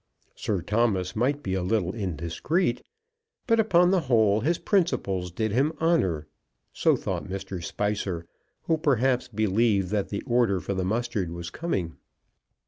Sir Thomas might be a little indiscreet; but, upon the whole, his principles did him honour. So thought Mr. Spicer, who, perhaps, believed that the order for the mustard was coming.